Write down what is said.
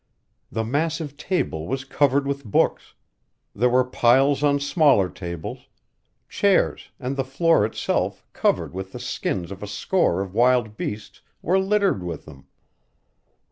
The massive table was covered with books; there were piles on smaller tables; chairs, and the floor itself, covered with the skins of a score of wild beasts, were littered with them.